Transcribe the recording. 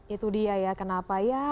itu dia ya kenapa ya